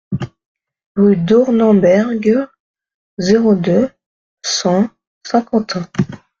Rue Dornemberger, zéro deux, cent Saint-Quentin